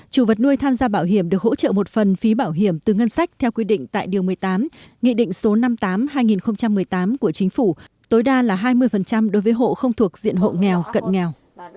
chủ vật nuôi tham gia bảo hiểm được hỗ trợ một phần phí bảo hiểm từ ngân sách theo quy định tại điều một mươi tám nghị định số năm mươi tám hai nghìn một mươi tám của chính phủ tối đa là hai mươi đối với hộ không thuộc diện hộ nghèo cận nghèo